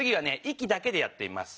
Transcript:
息だけでやってみます。